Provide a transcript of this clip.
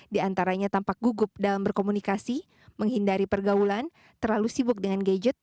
di antaranya tampak gugup dalam berkomunikasi menghindari pergaulan terlalu sibuk dengan gadget